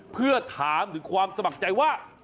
เพื่อถามถึงความสมัครใจว่า